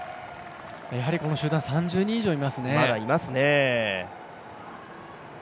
やはりこの集団３０人以上いますね。